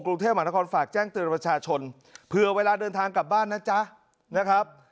กรุงเทพมหานครฝากแจ้งเตือนประชาชนเผื่อเวลาเดินทางกลับบ้านนะจ๊ะนะครับ